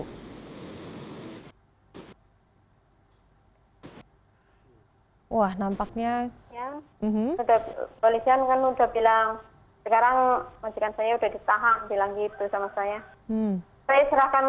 hai coordat nampaknya ini kemudian udah bilang sekarang udah ditahan pilih kita masa ya endlich